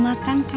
mas pquite ya kan